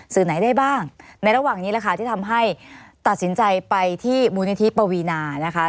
สื่อไหนได้บ้างในระหว่างนี้แหละค่ะที่ทำให้ตัดสินใจไปที่มูลนิธิปวีนานะคะ